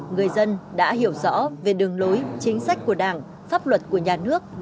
người dân đã hiểu rõ về đường lối chính sách của đảng pháp luật của nhà nước